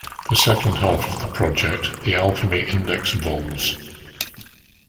The second half of the project, The Alchemy Index Vols.